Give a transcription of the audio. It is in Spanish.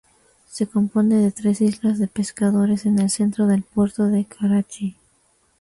Se compone de tres islas de pescadores en el centro del puerto de Karachi.